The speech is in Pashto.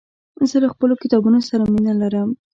زه له خپلو کتابونو سره مينه لرم.